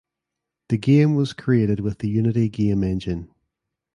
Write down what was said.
The game was created with the Unity game engine.